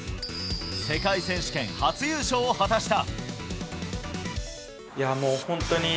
世界選手権初優勝を果たした。